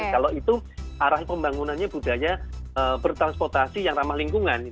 kalau itu arah pembangunannya budaya bertransportasi yang ramah lingkungan